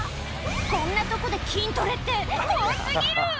こんなとこで筋トレって怖過ぎる！